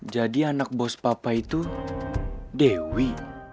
jadi anak bos papa itu dewi